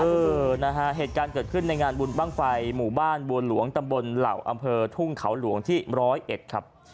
เออนะฮะเหตุการณ์เกิดขึ้นในงานบุญบ้างไฟหมู่บ้านบัวหลวงตำบลเหล่าอำเภอทุ่งเขาหลวงที่ร้อยเอ็ดครับ